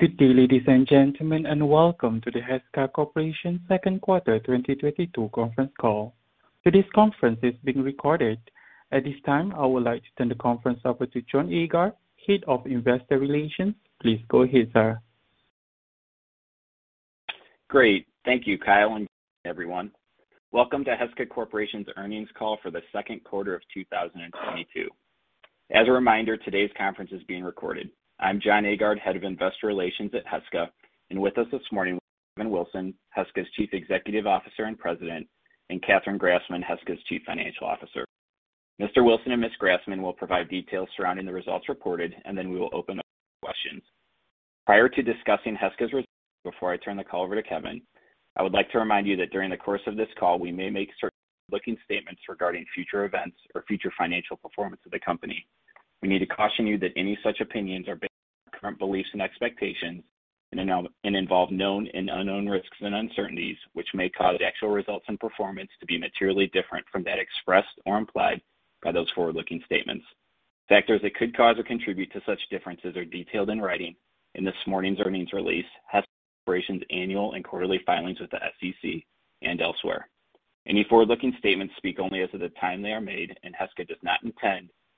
Good day, ladies and gentlemen and welcome to the Heska Corporation Second Quarter 2022 conference call. Today's conference is being recorded. At this time, I would like to turn the conference over to Jon Aagaard, Head of Investor Relations. Please go ahead, sir. Great. Thank you, Kyle and everyone. Welcome to Heska Corporation's earnings call for the second quarter of 2022. As a reminder, today's conference is being recorded. I'm Jon Aagaard, Head of Investor Relations at Heska. With us this morning, Kevin Wilson, Heska's Chief Executive Officer and President, and Catherine Grassman, Heska's Chief Financial Officer. Mr. Wilson and Ms. Grassman will provide details surrounding the results reported and then we will open up for questions. Prior to discussing Heska's results before I turn the call over to Kevin. I would like to remind you that during the course of this call, we may make certain forward-looking statements regarding future events or future financial performance of the company. We need to caution you that any such opinions are based on our current beliefs and expectations and involve known and unknown risks and uncertainties, which may cause actual results and performance to be materially different from that expressed or implied by those forward-looking statements. Factors that could cause or contribute to such differences are detailed in writing in this morning's earnings release, Heska Corporation's Annual and Quarterly filings with the SEC and elsewhere. Any forward-looking statements speak only as of the time they are made, and Heska does not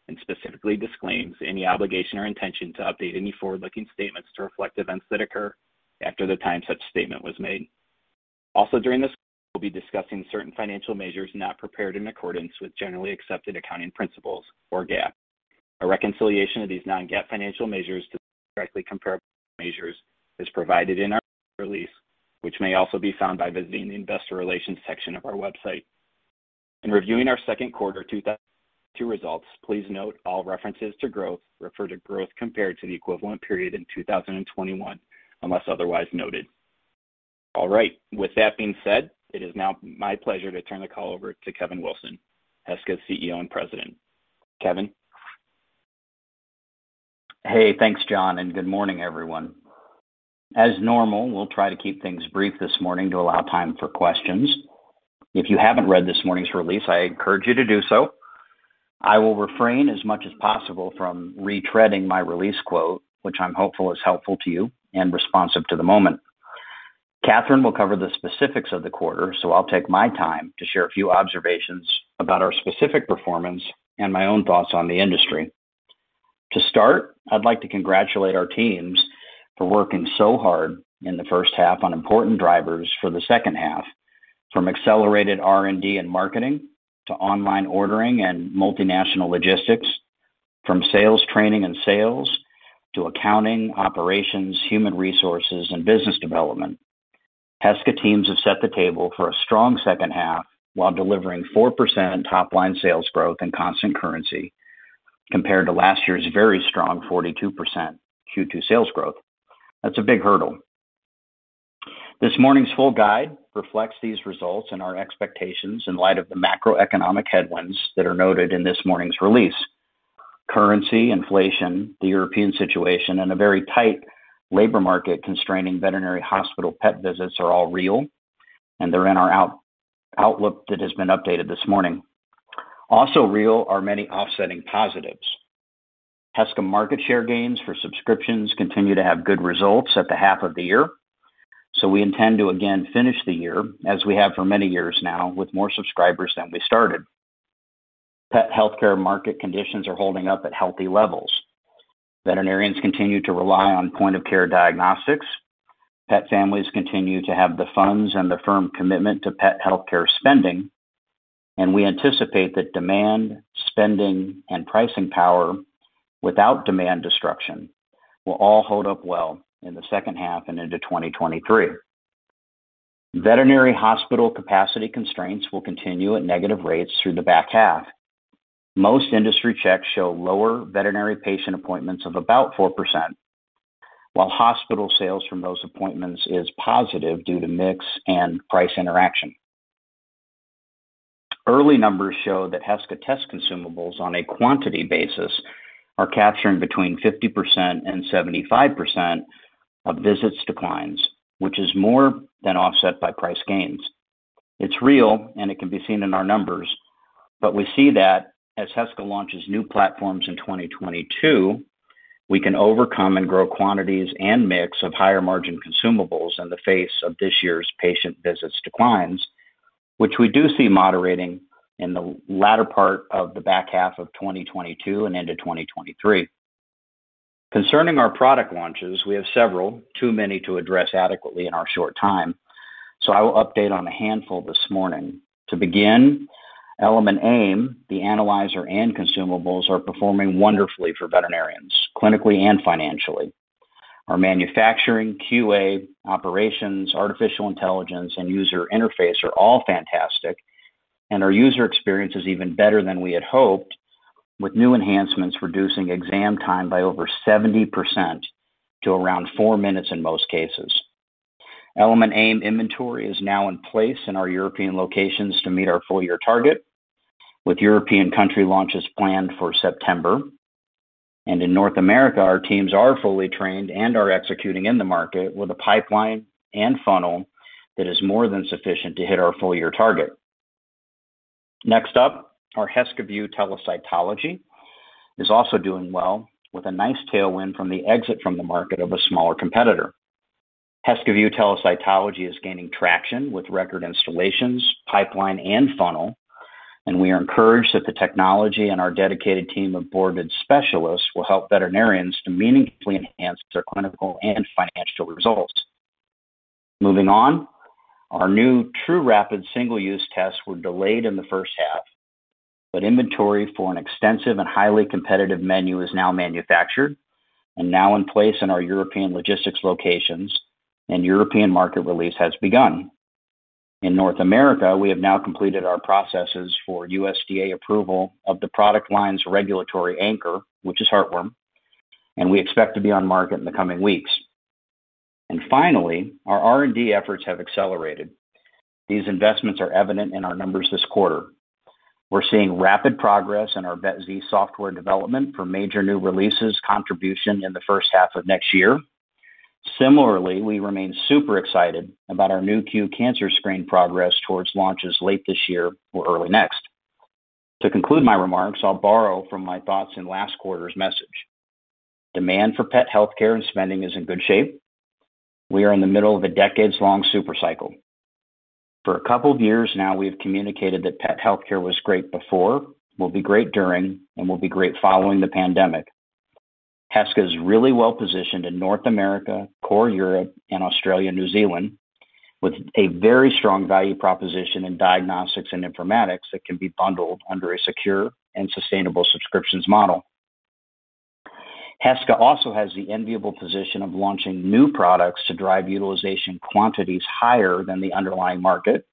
intend and specifically disclaims any obligation or intention to update any forward-looking statements to reflect events that occur after the time such statement was made. Also, during this call we'll be discussing certain financial measures not prepared in accordance with generally accepted accounting principles or GAAP. A reconciliation of these non-GAAP financial measures to directly comparable measures is provided in our release, which can also available in the investor relations section of our website. In reviewing our second quarter 2022 results, please note all references to growth refer to growth compared to the equivalent period in 2021, unless otherwise noted. All right. With that being said, it is now my pleasure to turn the call over to Kevin Wilson, Heska's CEO and President. Kevin? Hey, thanks, Jon and good morning everyone. As normal we'll try to keep things brief this morning to allow time for questions. If you haven't read this morning's release, I encourage you to do so. I will refrain as much as possible from retreading my release quote, which I'm hopeful is helpful to you and responsive to the moment. Catherine will cover the specifics of the quarter, so I'll take my time to share a few observations about our specific performance and my own thoughts on the industry. To start, I'd like to congratulate our teams for working so hard in the first half on important drivers for the second half. From accelerated R&D and marketing to online ordering and multinational logistics, from sales training and sales to accounting, operations, human resources, and business development. Heska teams have set the table for a strong second half while delivering 4% top-line sales growth and constant currency compared to last year's very strong 42% Q2 sales growth. That's a big hurdle. This morning's full guide reflects these results and our expectations in light of the macroeconomic headwinds that are noted in this morning's release. Currency, inflation, the European situation, and a very tight labor market constraining veterinary hospital pet visits are all real, and they're in our outlook that has been updated this morning. Also real are many offsetting positives. Heska's market share gains for subscriptions continue to have good results at the half of the year, so we intend to again finish the year, as we have for many years now, with more subscribers than we started. Pet healthcare market conditions are holding up at healthy levels. Veterinarians continue to rely on point-of-care diagnostics. Pet families continue to have the funds and the firm commitment to pet healthcare spending. We anticipate that demand, spending, and pricing power without demand destruction will all hold up well in the second half and into 2023. Veterinary hospital capacity constraints will continue at negative rates through the back half. Most industry checks show lower veterinary patient appointments of about 4%, while hospital sales from those appointments is positive due to mix and price interaction. Early numbers show that Heska test consumables on a quantity basis are capturing between 50% and 7% of visits declines, which is more than offset by price gains. It's real and it can be seen in our numbers, but we see that as Heska launches new platforms in 2022, we can overcome and grow quantities and mix of higher-margin consumables in the face of this year's patient visits declines, which we do see moderating in the latter part of the back half of 2022 and into 2023. Concerning our product launches, we have several, Too many to address adequately in our short time, so I will update on a handful this morning. To begin, Element AIM, the analyzer and consumables, are performing wonderfully for veterinarians, clinically and financially. Our manufacturing, QA, operations, Artificial Intelligence, and user interface are all fantastic, and our user experience is even better than we had hoped, with new enhancements reducing exam time by over 70% to around four minutes in most cases. Element AIM inventory is now in place in our European locations to meet our full-year target, with European country launches planned for September. In North America, our teams are fully trained and are executing in the market with a pipeline and funnel that is more than sufficient to hit our full-year target. Next up, our HeskaView Telecytology is also doing well with a nice tailwind from the exit from the market of a smaller competitor. HeskaView Telecytology is gaining traction with record installations, pipeline and funnel, and we are encouraged that the technology and our dedicated team of board-certified specialists will help veterinarians to meaningfully enhance their clinical and financial results. Moving on, our new truRapid single-use tests were delayed in the first half, but inventory for an extensive and highly competitive menu is now manufactured and now in place in our European logistics locations and European market release has begun. In North America, we have now completed our processes for USDA approval of the product line's regulatory anchor, which is heartworm, and we expect to be on market in the coming weeks. Finally, our R&D efforts have accelerated. These investments are evident in our numbers this quarter. We're seeing rapid progress in our VetZ software development for major new releases contribution in the first half of next year. Similarly, we remain super excited about our Nu.Q Vet Cancer Screen progress towards launches late this year or early next. To conclude my remarks, I'll borrow from my thoughts in last quarter's message. Demand for pet healthcare and spending is in good shape. We are in the middle of a decades-long super cycle. For a couple of years now, we've communicated that pet healthcare was great before, will be great during, and will be great following the pandemic. Heska is really well-positioned in North America, core Europe, and Australia, New Zealand, with a very strong value proposition in diagnostics and informatics that can be bundled under a secure and sustainable subscription model. Heska also has the enviable position of launching new products to drive utilization quantities higher than the underlying market,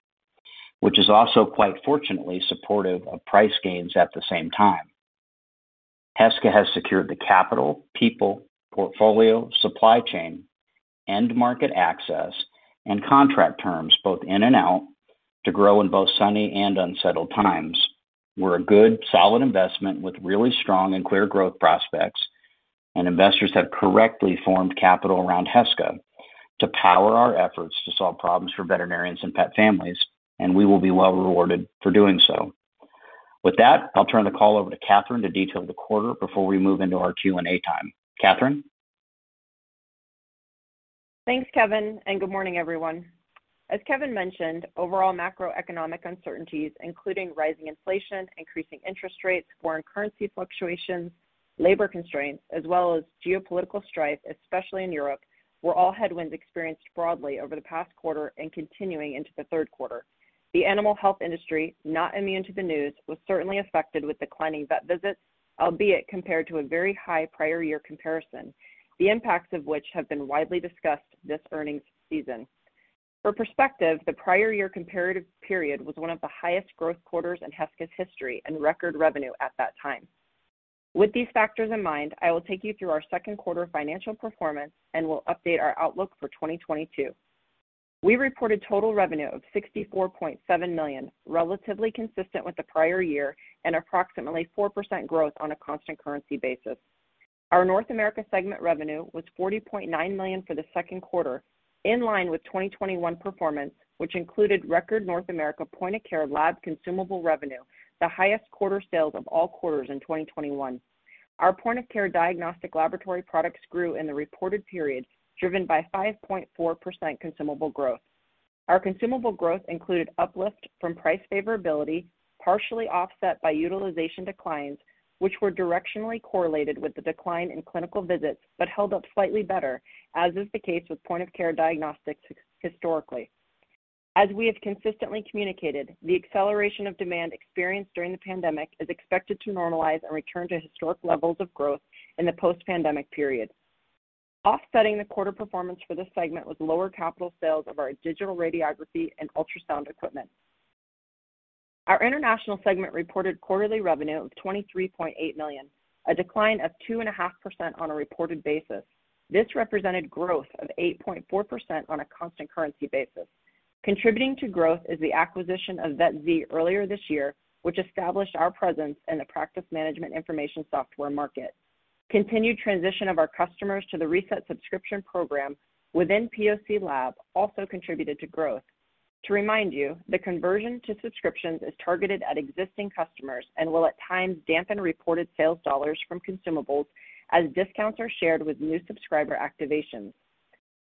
which is also quite fortunately supportive of price gains at the same time. Heska has secured the capital, people, portfolio, supply chain, end market access, and contract terms both in and out to grow in both sunny and unsettled times. We're a good, solid investment with really strong and clear growth prospects, and investors have correctly formed capital around Heska to power our efforts to solve problems for veterinarians and pet families, and we will be well rewarded for doing so. With that, I'll turn the call over to Catherine to detail the quarter before we move into our Q&A time. Catherine? Thanks, Kevin, and good morning everyone. As Kevin mentioned, overall macroeconomic uncertainties, including rising inflation, increasing interest rates, foreign currency fluctuations, labor constraints, as well as geopolitical strife, especially in Europe, were all headwinds experienced broadly over the past quarter and continuing into the third quarter. The animal health industry, not immune to the news, was certainly affected with declining vet visits, albeit compared to a very high prior year comparison, the impacts of which have been widely discussed this earnings season. For perspective, the prior year comparative period was one of the highest growth quarters in Heska's history and record revenue at that time. With these factors in mind, I will take you through our second quarter financial performance and will update our outlook for 2022. We reported total revenue of $64.7 million, relatively consistent with the prior year and approximately 4% growth on a constant currency basis. Our North America segment revenue was $40.9 million for the second quarter, in line with 2021 performance, which included record North America point-of-care lab consumable revenue, the highest quarter sales of all quarters in 2021. Our point-of-care diagnostic laboratory products grew in the reported period, driven by 5.4% consumable growth. Our consumable growth included uplift from price favorability, partially offset by utilization declines, which were directionally correlated with the decline in clinical visits, but held up slightly better, as is the case with point-of-care diagnostics historically. As we have consistently communicated, the acceleration of demand experienced during the pandemic is expected to normalize and return to historic levels of growth in the post-pandemic period. Offsetting the quarter performance for this segment was lower capital sales of our digital radiography and ultrasound equipment. Our international segment reported quarterly revenue of $23.8 million, a decline of 2.5% on a reported basis. This represented growth of 8.4% on a constant currency basis. Contributing to growth is the acquisition of VetZ earlier this year, which established our presence in the practice management information software market. Continued transition of our customers to the Reset subscription program within POC Lab also contributed to growth. To remind you, the conversion to subscriptions is targeted at existing customers and will at times dampen reported sales dollars from consumables as discounts are shared with new subscriber activations.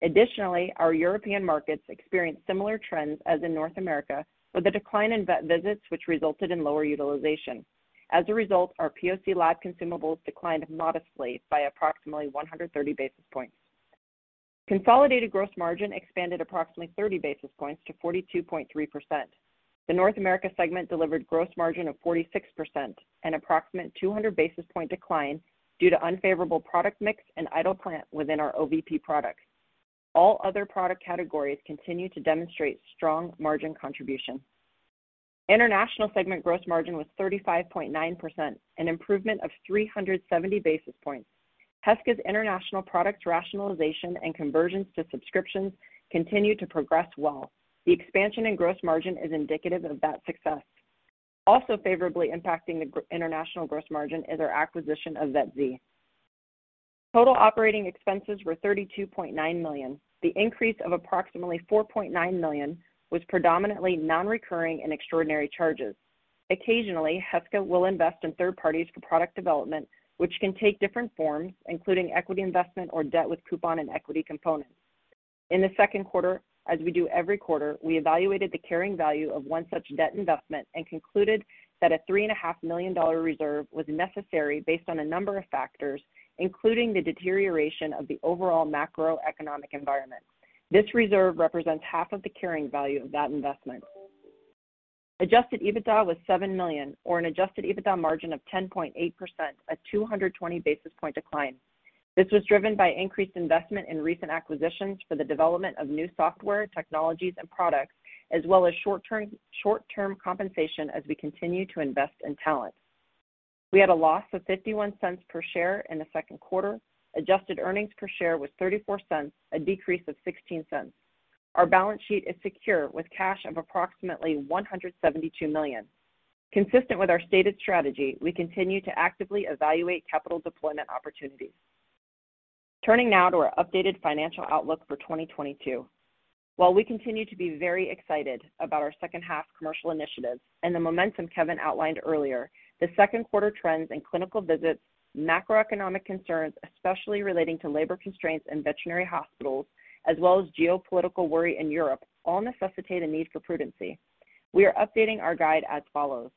Additionally, our European markets experienced similar trends as in North America, with a decline in vet visits which resulted in lower utilization. As a result, our POC Lab consumables declined modestly by approximately 130 basis points. Consolidated gross margin expanded approximately 30 basis points to 42.3%. The North America segment delivered gross margin of 46%, an approximate 200 basis point decline due to unfavorable product mix and idle plant within our OVP products. All other product categories continue to demonstrate strong margin contribution. International segment gross margin was 35.9%, an improvement of 370 basis points. Heska's international product rationalization and conversions to subscriptions continue to progress well. The expansion in gross margin is indicative of that success. Also favorably impacting the international gross margin is our acquisition of VetZ. Total operating expenses were $32.9 million. The increase of approximately $4.9 million was predominantly non-recurring and extraordinary charges. Occasionally, Heska will invest in third parties for product development, which can take different forms, including equity investment or debt with coupon and equity components. In the second quarter, as we do every quarter, we evaluated the carrying value of one such debt investment and concluded that a $3.5 million reserve was necessary based on a number of factors, including the deterioration of the overall macroeconomic environment. This reserve represents half of the carrying value of that investment. Adjusted EBITDA was $7 million, or an adjusted EBITDA margin of 10.8%, a 220 basis point decline. This was driven by increased investment in recent acquisitions for the development of new software, technologies, and products, as well as short-term compensation as we continue to invest in talent. We had a loss of $0.51 per share in the second quarter. Adjusted earnings per share was $0.34, a decrease of $0.16. Our balance sheet is secure with cash of approximately $172 million. Consistent with our stated strategy, we continue to actively evaluate capital deployment opportunities. Turning now to our updated financial outlook for 2022. While we continue to be very excited about our second half commercial initiatives and the momentum Kevin outlined earlier, the second quarter trends in clinical visits, macroeconomic concerns, especially relating to labor constraints and veterinary hospitals, as well as geopolitical worry in Europe, all necessitate a need for prudency. We are updating our guide as follows.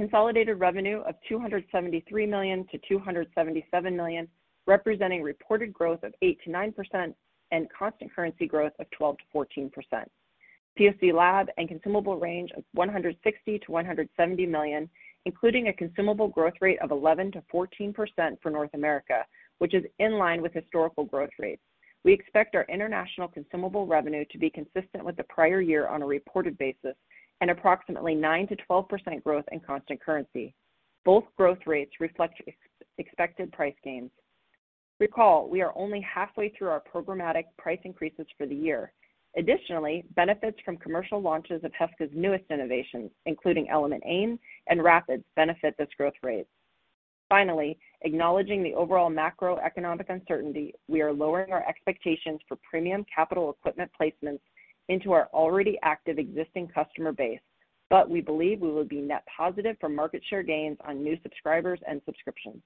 Consolidated revenue of $273 million-$277 million, representing reported growth of 8%-9% and constant currency growth of 12%-14%. POC Lab and consumable range of $160-$170 million, including a consumable growth rate of 11%-14% for North America, which is in line with historical growth rates. We expect our international consumable revenue to be consistent with the prior year on a reported basis and approximately 9%-12% growth in constant currency. Both growth rates reflect expected price gains. Recall, we are only halfway through our programmatic price increases for the year. Additionally, benefits from commercial launches of Heska's newest innovations, including Element AIM and truRapid, benefit this growth rate. Finally, acknowledging the overall macroeconomic uncertainty, we are lowering our expectations for premium capital equipment placements into our already active existing customer base. We believe we will be net positive for market share gains on new subscribers and subscriptions.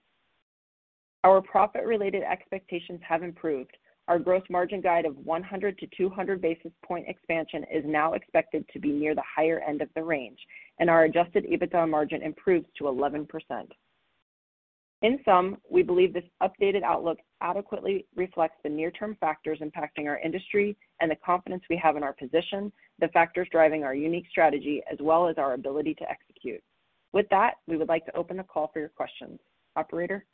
Our profit-related expectations have improved. Our growth margin guide of 100-200 basis point expansion is now expected to be near the higher end of the range, and our Adjusted EBITDA margin improves to 11%. In sum, we believe this updated outlook adequately reflects the near-term factors impacting our industry and the confidence we have in our position, the factors driving our unique strategy, as well as our ability to execute. With that, we would like to open the call for your questions. Operator?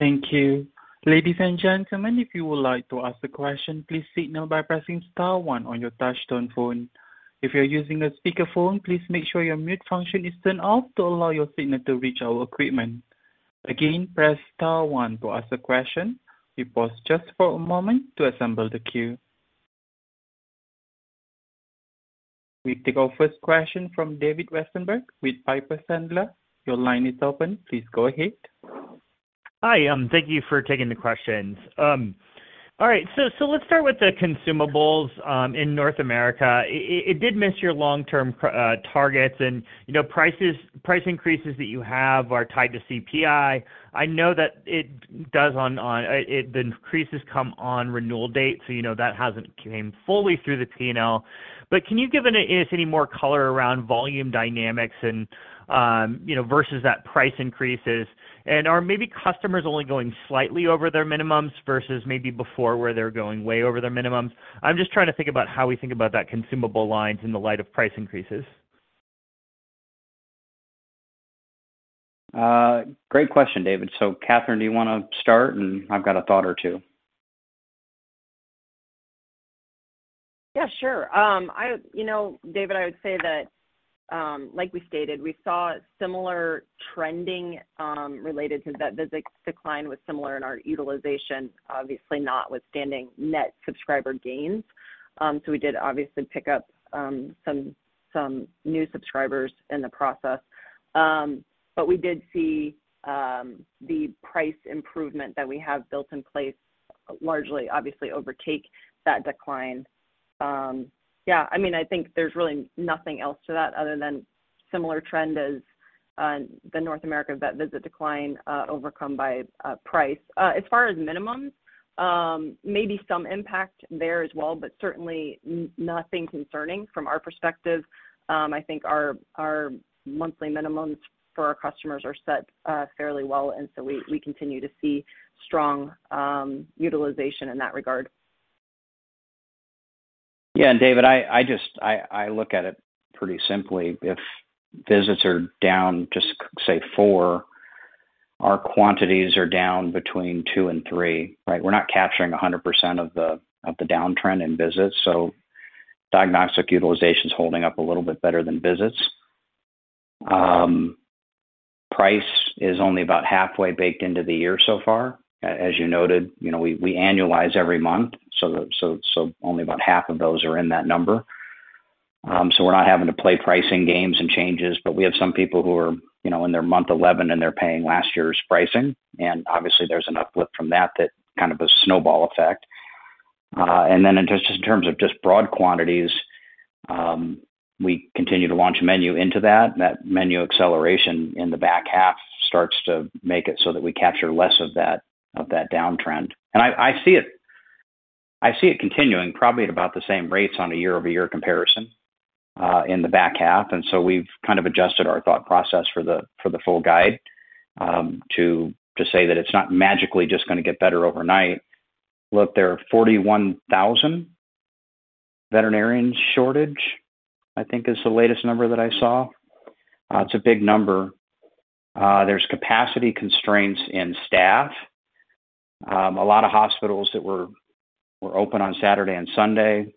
Thank you. Ladies and gentlemen, if you would like to ask a question, please signal by pressing star one on your touch-tone phone. If you're using a speakerphone, please make sure your mute function is turned off to allow your signal to reach our equipment. Again, press star one to ask a question. We pause just for a moment to assemble the queue. We take our first question from David Westenberg with Piper Sandler. Your line is open. Please go ahead. Hi, thank you for taking the questions. All right. Let's start with the consumables in North America. It did miss your long-term targets andyou know, price increases that you have are tied to CPI. I know that increases come on renewal dates so you know that hasn't came fully through the P&L. Can you give us any more color around volume dynamics and you know versus that price increases? And are maybe customers only going slightly over their minimums versus maybe before where they're going way over their minimums? I'm just trying to think about how we think about that consumable lines in the light of price increases. Great question, David. Catherine, do you wanna start? I've got a thought or two. Yeah, sure. You know, David, I would say that like we stated, we saw similar trending related to vet visit decline were similar in our utilization obviously, notwithstanding net subscriber gains. We did obviously pick up some new subscribers in the process. We did see the price improvement that we have built in place largely obviously overtake that decline. Yeah, I mean, I think there's really nothing else to that other than a similar trend as the North America vet visit decline overcome by price. As far as minimums, maybe some impact there as well, but certainly nothing concerning from our perspective. I think our monthly minimums for our customers are set fairly well and we continue to see strong utilization in that regard. Yeah, David, I just look at it pretty simply. If visits are down, just say 4%, our quantities are down between 2% and 3%, right? We're not capturing 100% of the downtime in visits, so diagnostic utilization is holding up a little bit better than visits. Price is only about halfway baked into the year so far. As you noted, you know, we annualize every month, so only about half of those are in that number. We're not having to play pricing games and changes, but we have some people who are, you know, in their month eleven, and they're paying last year's pricing. Obviously, there's an uplift from that kind of snowball effect. In terms of broad quantities, we continue to launch the menu into that. That menu acceleration in the back half starts to make it so that we capture less of that downtrend. I see it continuing probably at about the same rates on a year-over-year comparison in the back half. We've kind of adjusted our thought process for the full guide to say that it's not magically just gonna get better overnight. Look, there are 41,000 veterinarian shortage, I think is the latest number that I saw. It's a big number. There's capacity constraints in staff. A lot of hospitals that were open on Saturday and Sunday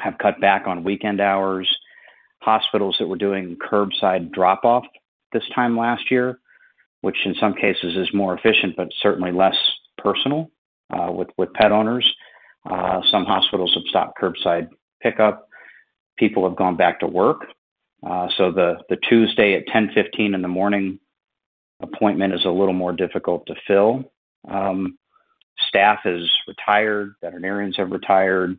have cut back on weekend hours. Hospitals that were doing curbside drop off this time last year, which in some cases is more efficient, but certainly less personal with pet owners. Some hospitals have stopped curbside pickup. People have gone back to work. So the Tuesday at 10:15 A.M. appointment is a little more difficult to fill. Staff is retired, veterinarians have retired.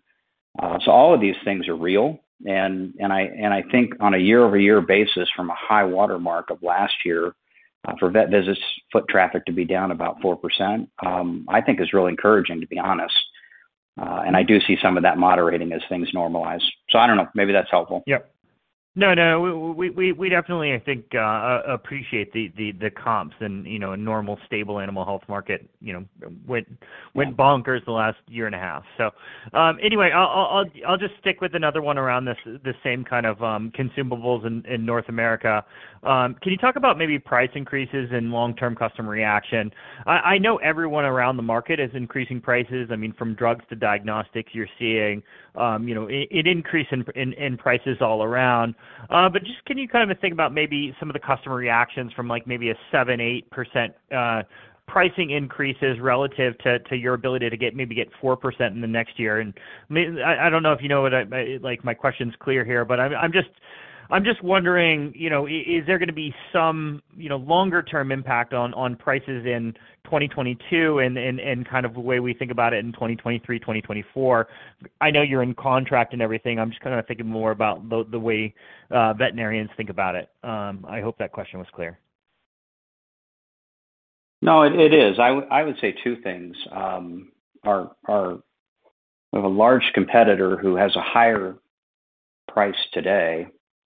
So all of these things are real. I think on a year-over-year basis from a high watermark of last year, for vet visits foot traffic to be down about 4%, I think is really encouraging to be honest. I do see some of that moderating as things normalize. I don't know. Maybe that's helpful. Yep. No, we definitely, I think, appreciate the comps and, you know, a normal stable animal health market, you know, went bonkers the last year and a half. Anyway, I'll just stick with another one around this, the same kind of, consumables in North America. Can you talk about maybe price increases and long-term customer reaction? I know everyone around the market is increasing prices. I mean, from drugs to diagnostics, you're seeing, you know, an increase in prices all around. Just can you kind of think about maybe some of the customer reactions from like maybe a 7%-8% pricing increases relative to your ability to get 4% in the next year? I don't know if you know like my question's clear here, but I'm just wondering, you know, is there gonna be some, you know, longer term impact on prices in 2022 and kind of the way we think about it in 2023-2024? I know you're in contract and everything. I'm just kind of thinking more about the way veterinarians think about it. I hope that question was clear. No, it is. I would say two things.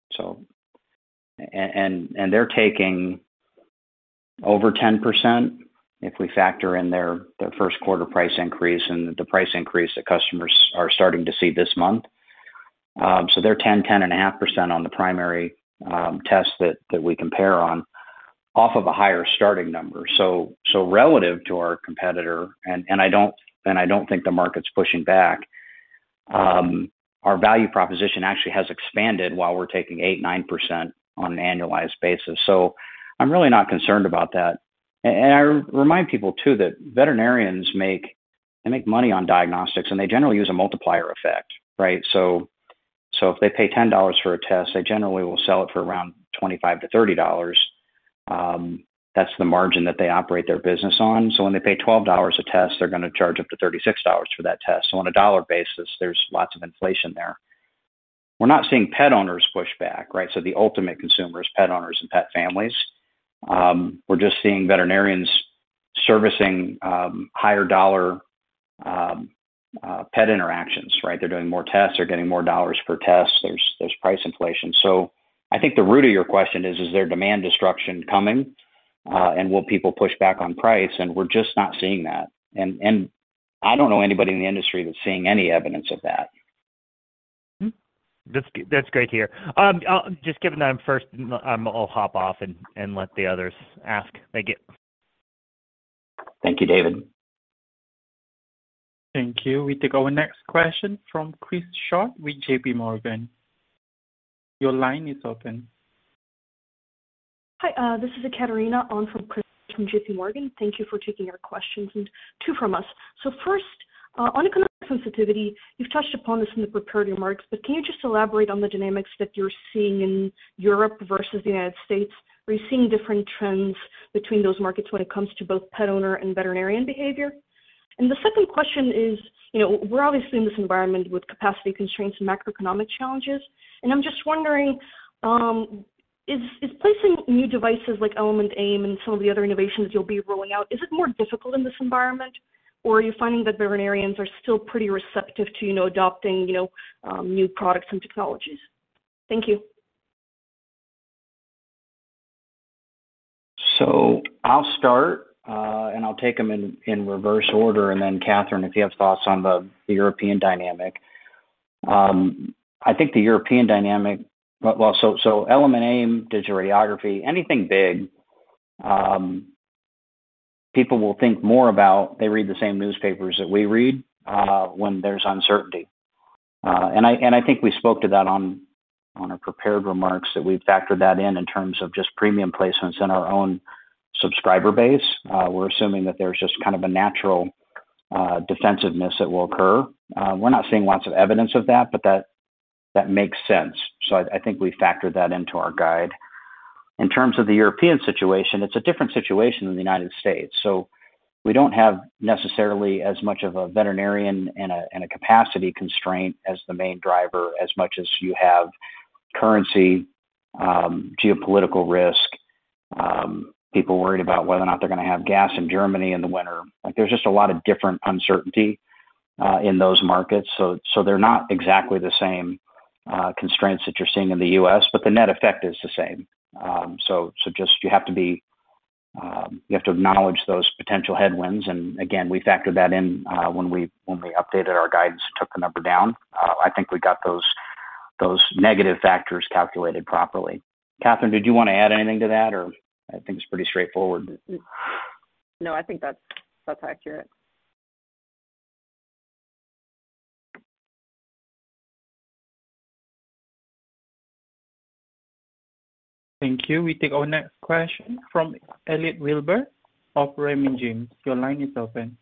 We have a large competitor who has a higher price today, and they're taking over 10% if we factor in their first-quarter price increase and the price increase that customers are starting to see this month. So they're 10.5% on the primary test that we compare off of a higher starting number. Relative to our competitor, I don't think the market's pushing back. Our value proposition actually has expanded while we're taking 8%-9% on an annualized basis. I'm really not concerned about that. I remind people, too, that veterinarians make money on diagnostics, and they generally use a multiplier effect, right? If they pay $10 for a test, they generally will sell it for around $25-$30. That's the margin that they operate their business on. When they pay $12 a test, they're gonna charge up to $36 for that test. On a dollar basis, there's lots of inflation there. We're not seeing pet owners push back, right? The ultimate consumer is pet owners and pet families. We're just seeing veterinarians servicing higher dollar pet interactions, right? They're doing more tests. They're getting more dollars per test. There's price inflation. I think the root of your question is there demand destruction coming, and will people push back on price? We're just not seeing that. I don't know anybody in the industry that's seeing any evidence of that. That's great to hear. Given that I'm first, I'll hop off and let the others ask. Thank you. Thank you, David. Thank you. We take our next question from Chris Schott with J.P. Morgan. Your line is open. Hi, this is Ekaterina on from Chris from JPMorgan. Thank you for taking our questions and two from us. First, on economic sensitivity, you've touched upon this in the prepared remarks, but can you just elaborate on the dynamics that you're seeing in Europe versus the United States? Are you seeing different trends between those markets when it comes to both pet owner and veterinarian behavior? The second question is, you know, we're obviously in this environment with capacity constraints and macroeconomic challenges. I'm just wondering, is placing new devices like Element AIM and some of the other innovations you'll be rolling out, is it more difficult in this environment, or are you finding that veterinarians are still pretty receptive to, you know, adopting, you know, new products and technologies? Thank you. I'll start, and I'll take them in reverse order, and then Catherine, if you have thoughts on the European dynamic. I think the European dynamic. Element AIM, digital radiography, anything big, people will think more about it. They read the same newspapers that we read; when there's uncertainty. I think we spoke to that on prepared remarks that we've factored that in terms of just premium placements in our own subscriber base. We're assuming that there's just kind of a natural defensiveness that will occur. We're not seeing lots of evidence of that, but that makes sense. I think we factored that into our guide. In terms of the European situation, it's a different situation than the United States. We don't necessarily have as much of a veterinary capacity constraint as the main driver, as much as you have currency, geopolitical risk, people worried about whether or not they're gonna have gas in Germany in the winter. Like, there's just a lot of different uncertainty in those markets. They're not exactly the same constraints that you're seeing in the U.S., but the net effect is the same. You have to acknowledge those potential headwinds, and again, we factor that in when we updated our guidance, took the number down. I think we got those negative factors calculated properly. Kathryn, did you wanna add anything to that, or I think it's pretty straightforward. No, I think that's accurate. Thank you. We take our next question from Elliot Wilbur of Raymond James. Your line is open.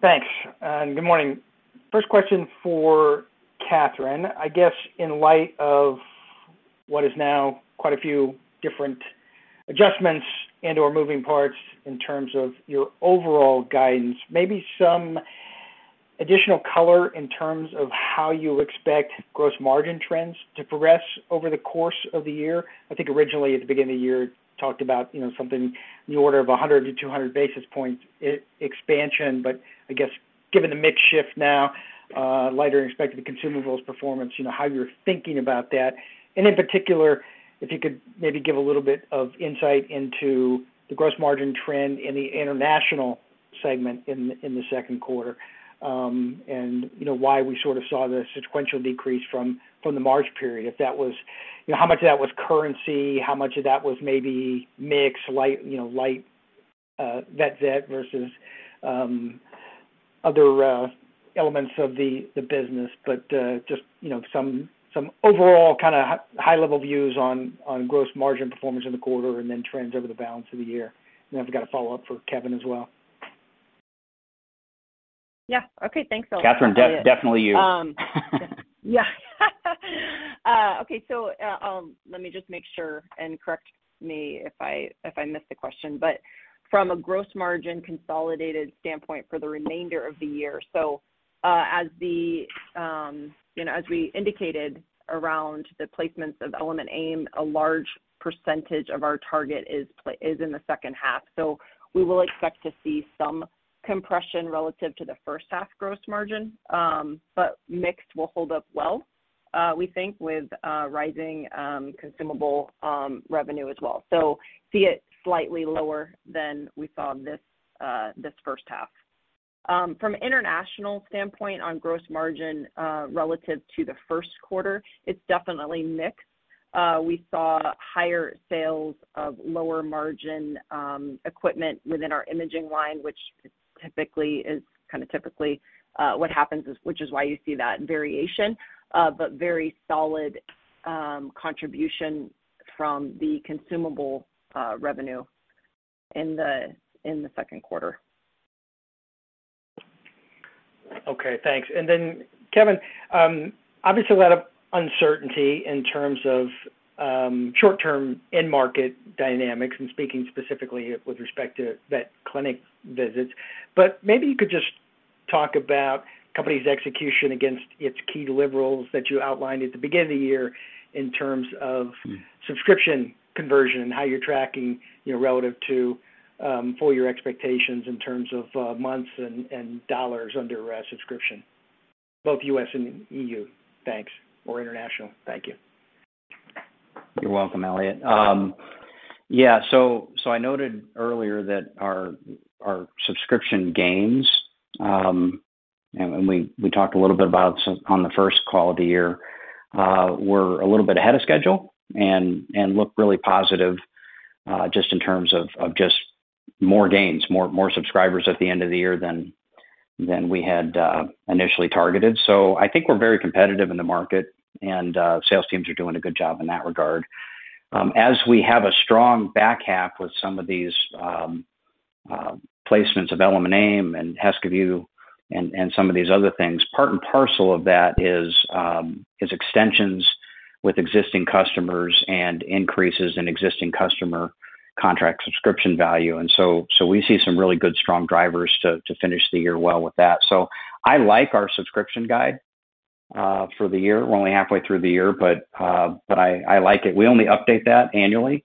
Thanks, and good morning. First question for Catherine. I guess, in light of what is now quite a few different adjustments and/or moving parts in terms of your overall guidance, maybe some additional color in terms of how you expect gross margin trends to progress over the course of the year. I think originally at the beginning of the year, we talked about, you know, something in the order of 100-200 basis points expansion, but I guess given the mix shift now, lighter expected consumables performance, you know, how you're thinking about that. In particular, if you could maybe give a little bit of insight into the gross margin trend in the international segment in the second quarter, you know, why we sort of saw the sequential decrease from the March period. If that was, you know, how much of that was currency, how much of that was maybe a mix, light, you know, light vet visit versus other elements of the business. Just, you know, some overall kind a high-level views on gross margin performance in the quarter and then trends over the balance of the year. I've got a follow-up for Kevin as well. Yeah. Okay. Thanks, Elliot. Catherine, definitely you. Let me just make sure and correct me if I missed the question, but from a gross margin consolidated standpoint for the remainder of the year. As you know, as we indicated around the placements of Element AIM, a large percentage of our target is in the second half. We will expect to see some compression relative to the first half gross margin, but mix will hold up well, we think with rising consumable revenue as well. See it slightly lower than we saw this first half. From international standpoint on gross margin, relative to the first quarter, it's definitely mix. We saw higher sales of lower margin equipment within our imaging line, which is typically what happens, which is why you see that variation, but very solid contribution from the consumable revenue in the second quarter. Okay, thanks. Kevin, obviously a lot of uncertainty in terms of short-term end market dynamics and speaking specifically with respect to vet clinic visits, but maybe you could just talk about company's execution against its key deliverables that you outlined at the beginning of the year in terms of- Mm-hmm. Subscription conversion and how you're tracking, you know, relative to full year expectations in terms of months and dollars under subscription, both U.S. and EU. Thanks. Or international. Thank you. You're welcome, Elliot. I noted earlier that our subscription gains, and we talked a little bit about some on the first call of the year, we're a little bit ahead of schedule and look really positive, just in terms of just more gains, more subscribers at the end of the year than we had initially targeted. I think we're very competitive in the market and sales teams are doing a good job in that regard. As we have a strong back half with some of these placements of Element AIM and HeskaView Telecytology and some of these other things, part and parcel of that is extensions with existing customers and increases in existing customer contract subscription value. We see some really good, strong drivers to finish the year well with that. I like our subscription guidance for the year. We're only halfway through the year, but I like it. We only update that annually.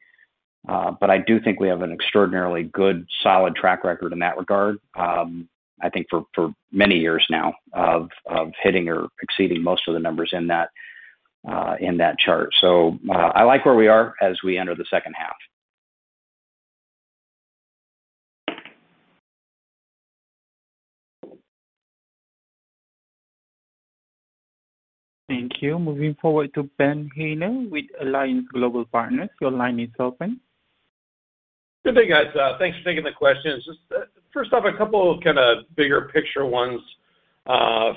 I do think we have an extraordinarily good, solid track record in that regard. I think for many years now of hitting or exceeding most of the numbers in that chart. I like where we are as we enter the second half. Thank you. Moving forward to Ben Haynor with Alliance Global Partners. Your line is open. Good day, guys. Thanks for taking the questions. Just first off, a couple of kind of bigger picture ones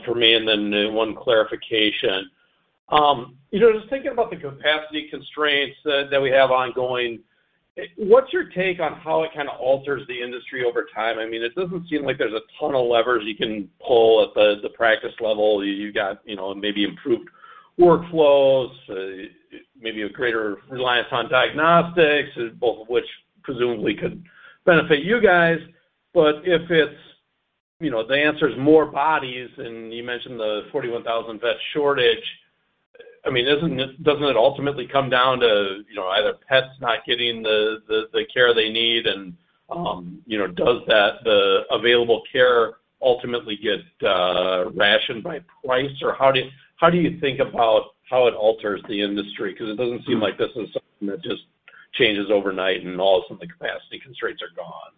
for me, and then one clarification. You know, just thinking about the capacity constraints that we have ongoing, what's your take on how it kind of alters the industry over time? I mean, it doesn't seem like there's a ton of levers you can pull at the practice level. You've got, you know, maybe improved workflows, maybe a greater reliance on diagnostics, both of which presumably could benefit you guys. But if it's, you know, the answer is more bodies, and you mentioned the 41,000 vet shortage. I mean, isn't it, doesn't it ultimately come down to, you know, either pets not getting the care they need, and you know, does that, the available care ultimately get rationed by price? Or how do you think about how it alters the industry? Because it doesn't seem like this is something that just changes overnight, and all of a sudden, the capacity constraints are gone.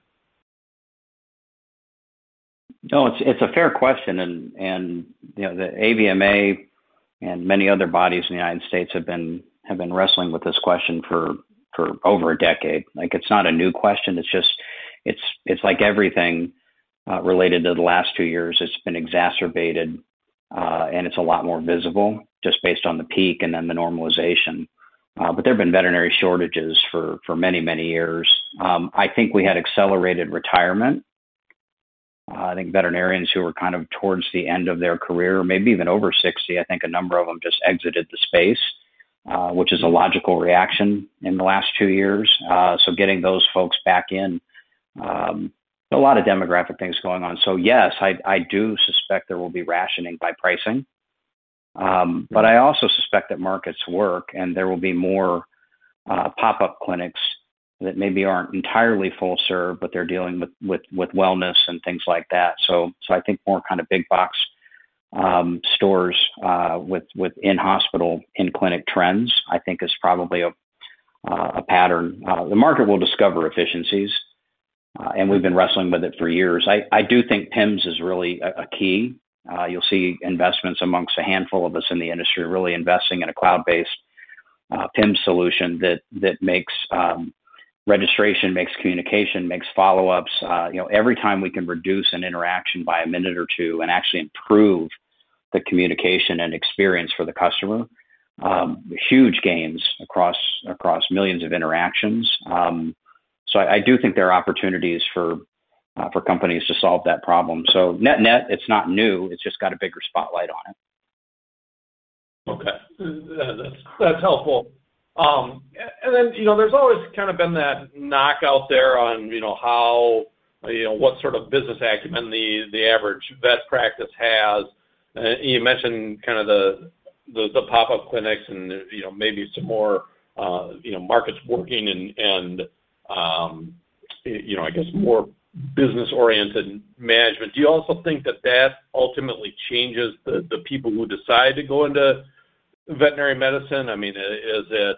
No, it's a fair question. You know, the AVMA and many other bodies in the United States have been wrestling with this question for over a decade. Like, it's not a new question. It's just like everything related to the last two years, it's been exacerbated, and it's a lot more visible just based on the peak and then the normalization. There have been veterinary shortages for many years. I think we had an accelerated retirement. I think veterinarians who were kind of towards the end of their career, maybe even over 60, I think a number of them just exited the space, which is a logical reaction in the last two years. Getting those folks back in, a lot of demographic things are going on. I do suspect there will be rationing by pricing. But I also suspect that markets work, and there will be more pop-up clinics that maybe aren't entirely full-serve, but they're dealing with wellness and things like that. I think more kind of big box stores with in-hospital, in-clinic trends is probably a pattern. The market will discover efficiencies, and we've been wrestling with it for years. I do think PIMS is really a key. You'll see investments amongst a handful of us in the industry really investing in a cloud-based PIMS solution that makes registration, makes communication, makes follow-ups. You know, every time we can reduce an interaction by a minute or two and actually improve the communication and experience for the customer, huge gains across millions of interactions. I do think there are opportunities for companies to solve that problem. Net-net, it's not new, it's just got a bigger spotlight on it. Okay. That's helpful. You know, there's always kind of been that knock out there on, you know, how, you know, what sort of business acumen the average vet practice has. You mentioned kind of the pop-up clinics and, you know, maybe some more, you know, markets working and, you know, I guess more business-oriented management. Do you also think that ultimately changes the people who decide to go into veterinary medicine? I mean, is it,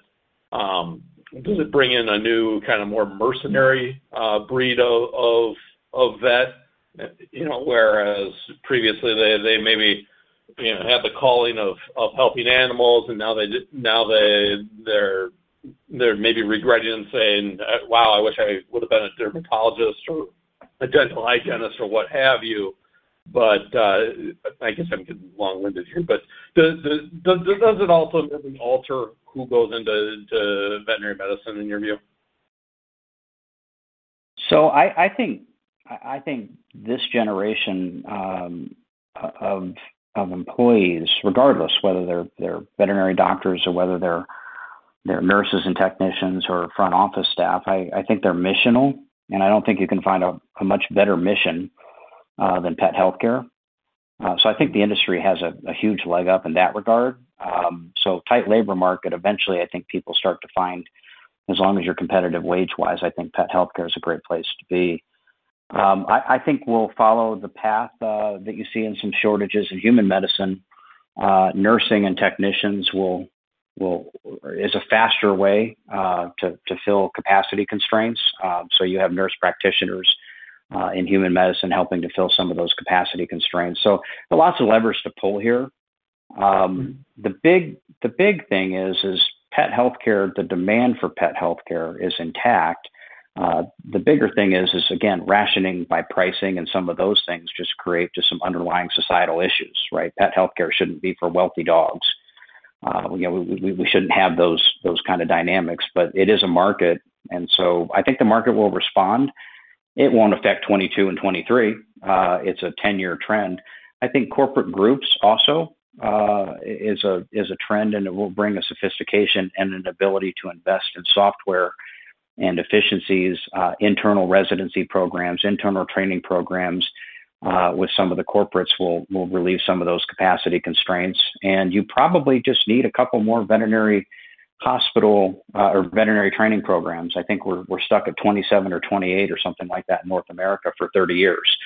does it bring in a new, kind of more mercenary, breed of vet? You know, whereas previously they maybe, you know, had the calling of helping animals, and now they're maybe regretting saying, "Wow, I wish I would have been a dermatologist or a dental hygienist," or what have you. I guess I'm getting long-winded here. Does it also alter who goes into veterinary medicine in your view? I think this generation of employees, regardless whether they're veterinary doctors or whether they're nurses and technicians or front office staff, I think they're missional, and I don't think you can find a much better mission than pet healthcare. I think the industry has a huge leg up in that regard. Tight labor market, eventually, I think people start to find, as long as you're competitive wage-wise, I think pet healthcare is a great place to be. I think we'll follow the path that you see in some shortages in human medicine. Nursing and technicians is a faster way to fill capacity constraints. You have nurse practitioners in human medicine helping to fill some of those capacity constraints. Lots of levers to pull here. The big thing is pet healthcare; the demand for pet healthcare is intact. The bigger thing is again, rationing by pricing, and some of those things just create some underlying societal issues, right? Pet healthcare shouldn't be for wealthy dogs. You know, we shouldn't have those kinds of dynamics, but it is a market, and so I think the market will respond. It won't affect 2022 and 2023. It's a 10-year trend. I think corporate groups also a trend, and it will bring sophistication and an ability to invest in software and efficiencies. Internal residency programs, internal training programs with some of the corporates will relieve some of those capacity constraints. You probably just need a couple more veterinary hospital or veterinary training programs. I think we're stuck at 27-28 or something like that in North America for 30 years,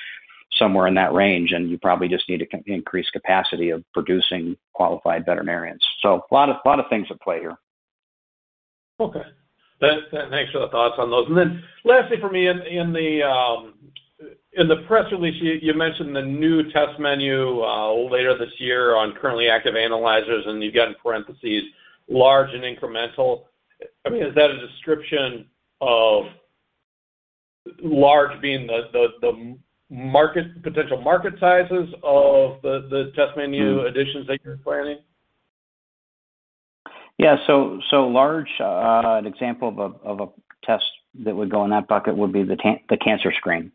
somewhere in that range. You probably just need to increase capacity of producing qualified veterinarians. A lot of things at play here. Okay. Thanks for the thoughts on those. Then lastly from me, in the press release, you mentioned the new test menu later this year on currently active analyzers, and you've got in parentheses, large and incremental. I mean, is that a description of large being the market potential market sizes of the test menu. Mm-hmm. Additions that you're planning? Yeah. Large, an example of a test that would go in that bucket would be the cancer screen.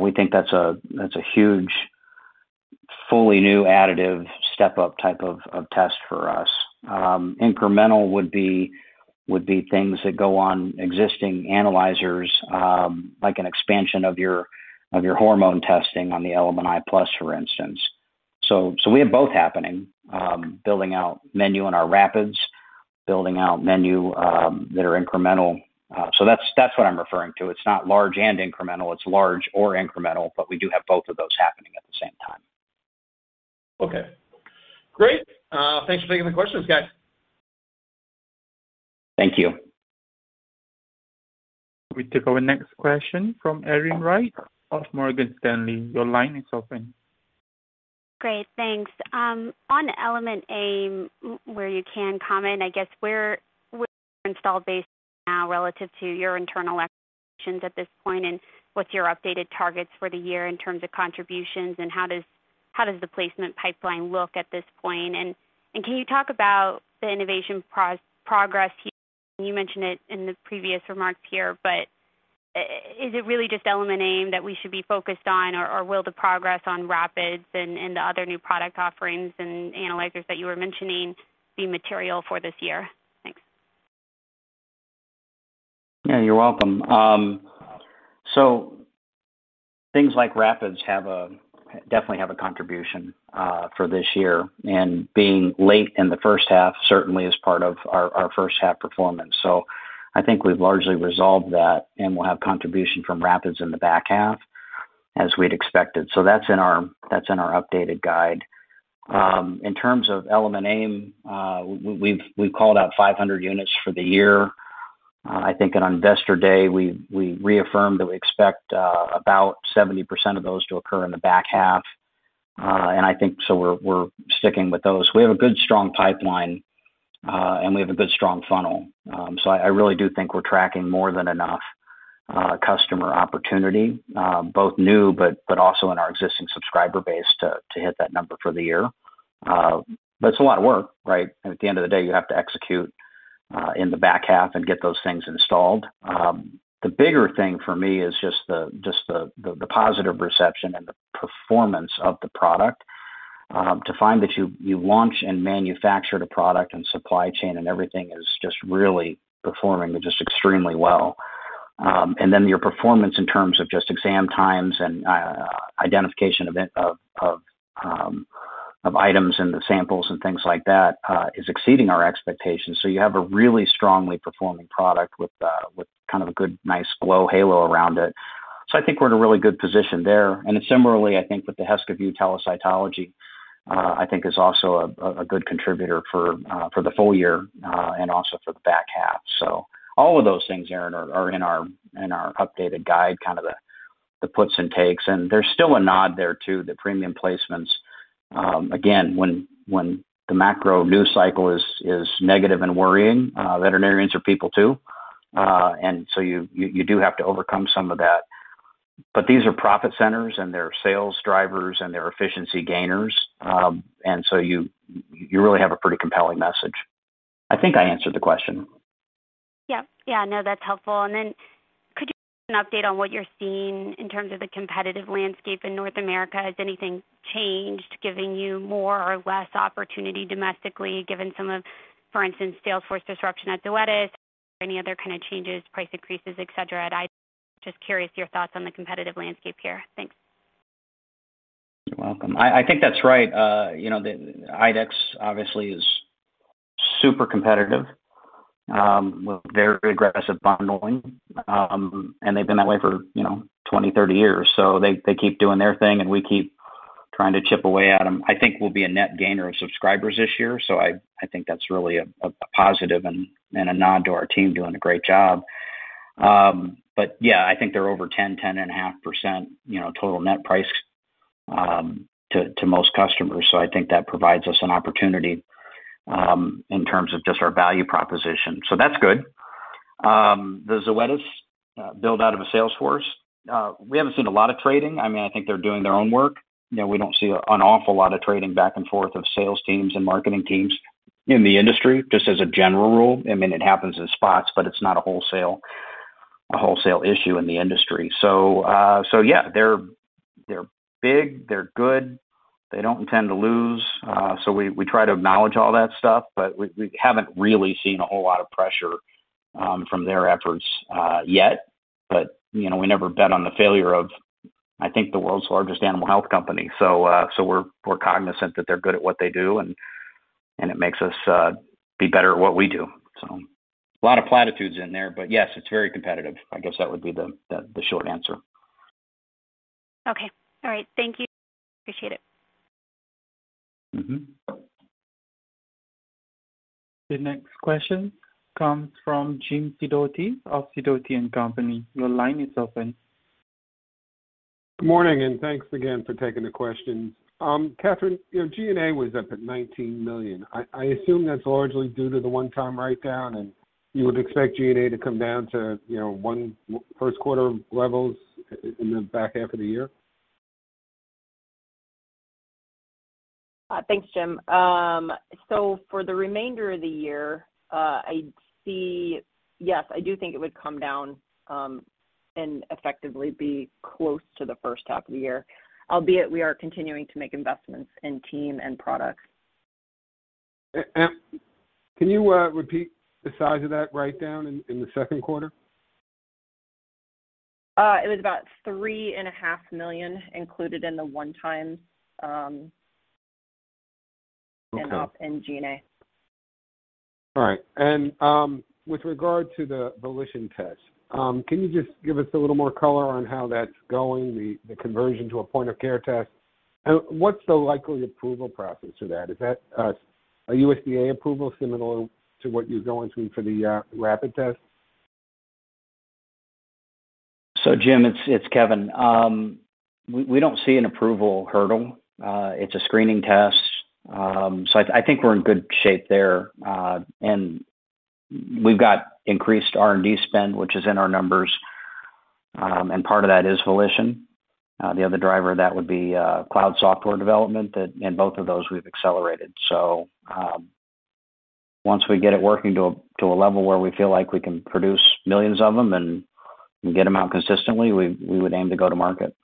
We think that's a huge, fully new, additive step-up type of test for us. Incremental would be things that go on existing analyzers, like an expansion of your hormone testing on the Element i+, for instance. We have both happening, building out the menu in our truRapid that are incremental. That's what I'm referring to. It's not large and incremental. It's large or incremental, but we do have both of those happening at the same time. Okay. Great. Thanks for taking the questions, guys. Thank you. We take our next question from Erin Wright of Morgan Stanley. Your line is open. Great. Thanks. On Element AIM, where you can comment, I guess, where the install base is now relative to your internal expectations at this point, and what are your updated targets for the year in terms of contributions, and how does the placement pipeline look at this point? Can you talk about the innovation progress here? You mentioned it in the previous remarks here, but is it really just Element AIM that we should be focused on, or will the progress on truRapid and the other new product offerings and analyzers that you were mentioning be material for this year? Thanks. Yeah, you're welcome. Things like truRapid definitely have a contribution for this year. Being late in the first half certainly is part of our first half performance. I think we've largely resolved that, and we'll have contribution from truRapid in the back half as we'd expected. That's in our updated guide. In terms of Element AIM, we've called out 500 units for the year. I think on Investor Day, we reaffirmed that we expect about 70% of those to occur in the back half. And I think so we're sticking with those. We have a good strong pipeline, and we have a good strong funnel. I really do think we're tracking more than enough customer opportunity, both new and also in our existing subscriber base, to hit that number for the year. It's a lot of work, right? At the end of the day, you have to execute in the back half and get those things installed. The bigger thing for me is just the positive reception and the performance of the product. To find that you launch and manufacture the product, and the supply chain and everything are just really performing extremely well. Then your performance in terms of just exam times and identification of items and the samples and things like that is exceeding our expectations. You have a really strongly performing product with a kind of good, nice glow halo around it. I think we're in a really good position there. Similarly, I think HeskaView Telecytology, I think is also a good contributor for the full year and also for the back half. All of those things, Erin, are in our updated guide, kind of the puts and takes. There's still a nod there to the premium placements. Again, when the macro news cycle is negative and worrying, veterinarians are people too. You do have to overcome some of that. These are profit centers, and they're sales drivers, and they're efficiency gainers. You really have a pretty compelling message. I think I answered the question. Yep. Yeah, no, that's helpful. Could you give an update on what you're seeing in terms of the competitive landscape in North America? Has anything changed, giving you more or less opportunity domestically, given some of, for instance, sales force disruption at Zoetis or any other kind of changes, price increases, et cetera, at IDEXX? Just curious about your thoughts on the competitive landscape here. Thanks. You're welcome. I think that's right. You know, the IDEXX obviously is super competitive with very aggressive bundling. They've been that way for, you know, 20-30 years. They keep doing their thing, and we keep trying to chip away at them. I think we'll be a net gainer of subscribers this year, so I think that's really a positive and a nod to our team doing a great job. Yeah, I think they're over 10.5%, you know, total net price to most customers. I think that provides us an opportunity in terms of just our value proposition. That's good. The Zoetis build out of a sales force, we haven't seen a lot of trading. I mean, I think they're doing their own work. You know, we don't see an awful lot of trading back and forth of sales teams and marketing teams in the industry, just as a general rule. I mean, it happens in spots, but it's not a wholesale issue in the industry. Yeah, they're big, they're good, they don't intend to lose. We try to acknowledge all that stuff, but we haven't really seen a whole lot of pressure from their efforts yet. You know, we never bet on the failure of Zoetis. We're cognizant that they're good at what they do and it makes us be better at what we do. A lot of platitudes in there, but yes, it's very competitive. I guess that would be the short answer. Okay. All right. Thank you. Appreciate it. Mm-hmm. The next question comes from James Sidoti of Sidoti & Company. Your line is open. Good morning, and thanks again for taking the questions. Catherine, you know, G&A was up at $19 million. I assume that's largely due to the one-time write down, and you would expect G&A to come down to, you know, first quarter levels in the back half of the year? Thanks, Jim. For the remainder of the year, yes, I do think it would come down, and effectively be close to the first half of the year, albeit we are continuing to make investments in team and products. Can you repeat the size of that write down in the second quarter? It was about $3.5 million included in the one-time, Okay. in G&A. All right. With regard to the Volition test, can you just give us a little more color on how that's going, the conversion to a point of care test? What's the likely approval process for that? Is that a USDA approval similar to what you're going through for the rapid test? Jim, it's Kevin. We don't see an approval hurdle. It's a screening test. I think we're in good shape there. We've got increased R&D spend, which is in our numbers, and part of that is Volition. The other driver that would be cloud software development that in both of those we've accelerated. Once we get it working to a level where we feel like we can produce millions of them and get them out consistently, we would aim to go to market.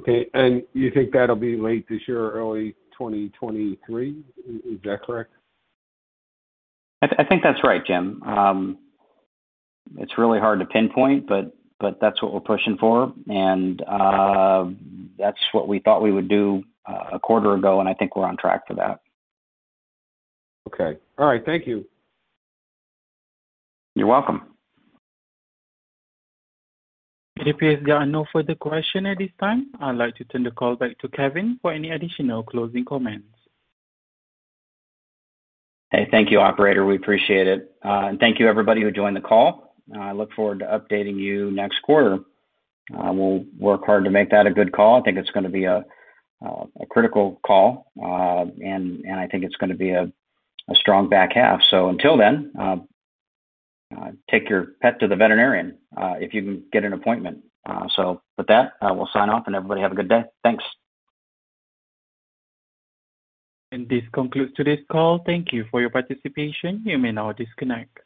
Okay, you think that'll be late this year or early 2023? Is that correct? I think that's right, Jim. It's really hard to pinpoint, but that's what we're pushing for. That's what we thought we would do a quarter ago, and I think we're on track for that. Okay. All right. Thank you. You're welcome. It appears there are no further questions at this time. I'd like to turn the call back to Kevin for any additional closing comments. Hey, thank you, operator. We appreciate it. And thank you everybody who joined the call. I look forward to updating you next quarter. We'll work hard to make that a good call. I think it's gonna be a critical call. And I think it's gonna be a strong back half. Until then, take your pet to the veterinarian if you can get an appointment. With that, I will sign off and everybody have a good day. Thanks. This concludes today's call. Thank you for your participation. You may now disconnect.